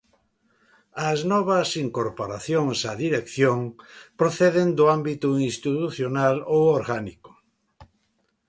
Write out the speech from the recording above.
As novas incorporacións á dirección proceden do ámbito institucional ou orgánico.